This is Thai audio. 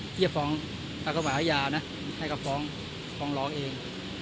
เกียรติฟองอากระหว่ายานะให้กับฟ้องฟองรองเอง